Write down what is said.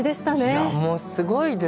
いやもうすごいですよね。